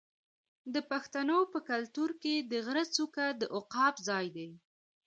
د پښتنو په کلتور کې د غره څوکه د عقاب ځای دی.